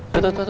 tau tau tau